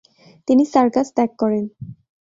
তিনি সার্কাস ত্যাগ করেন।